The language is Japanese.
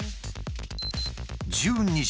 １２時。